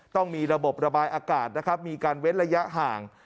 ต้องมีระบบระบายอากาศนะครับมีการเว้นระยะห่าง